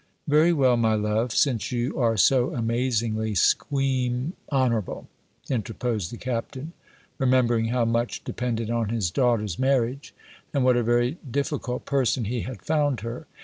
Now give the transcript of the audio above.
"Very well, my love, since you are so amazingly squeam honourable," interposed the Captain, remembering how much depended on his daughter's marriage, and what a very difficult person he had found her.